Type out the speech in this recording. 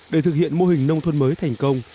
để thực hiện mô hình nông thôn mới thành công